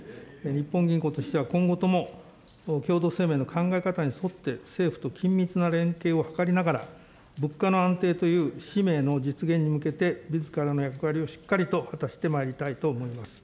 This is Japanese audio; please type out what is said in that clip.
日本銀行としては、今後とも、共同声明の考え方に沿って、政府と緊密な連携を図りながら、物価の安定という使命の実現に向けて、みずからの役割をしっかりと果たしてまいりたいと思います。